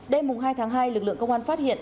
đêm hai tháng hai lực lượng công an phát hiện